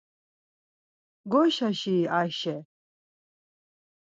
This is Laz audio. Goişaşi-i Ayşe.